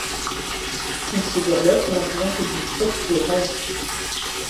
Il se dorlote, maintenant que vous lui faites des rentes.